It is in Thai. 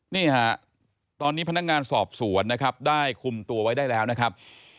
นี่ฮะตอนนี้พนักงานสอบสวนนะครับได้คุมตัวไว้ได้แล้วนะครับ